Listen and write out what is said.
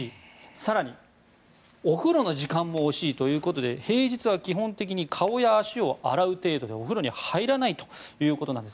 更に、お風呂の時間も惜しいということで平日は基本的に顔や足を洗う程度でお風呂に入らないということなんです。